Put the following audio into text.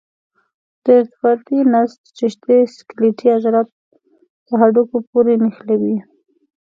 د ارتباطي نسج رشتې سکلیټي عضلات په هډوکو پورې نښلوي.